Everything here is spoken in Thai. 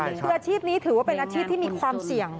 คืออาชีพนี้ถือว่าเป็นอาชีพที่มีความเสี่ยง